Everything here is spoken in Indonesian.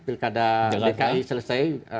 pilkada dki selesai